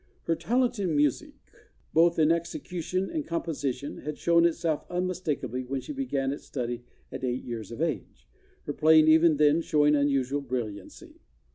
Her talent in music, both in execution and composition, had shown itself unmistakably when she began its study at eight years of age, her playing even then showing unusual brilliancy.